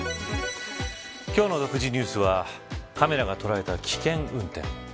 今日の独自ニュースはカメラが捉えた、危険運転。